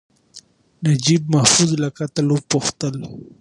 نجیب محفوظ له قاتل وپوښتل.